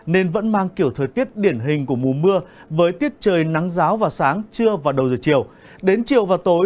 nên vẫn mang kiểu thời tiết điển hình của mùa mưa